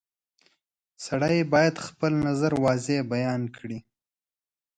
• سړی باید خپل نظر واضح بیان کړي.